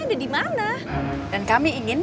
ada di mana dan kami ingin